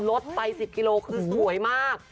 ลดไป๑๐กิโลกรัมคือสวยมาก